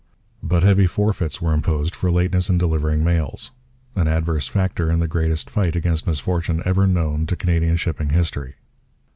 But heavy forfeits were imposed for lateness in delivering mails, an adverse factor in the greatest fight against misfortune ever known to Canadian shipping history.